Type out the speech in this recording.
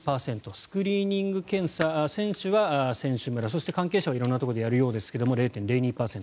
スクリーニング検査選手は選手村そして関係者は色んなところでやるようですが０．０２％。